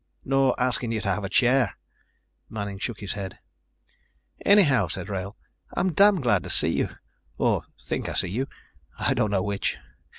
"Nor asking you to have a chair?" Manning shook his head. "Anyhow," said Wrail, "I'm damn glad to see you or think I see you. I don't know which.